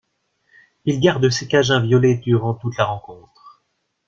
Il garde ses cages inviolées durant toute la rencontre.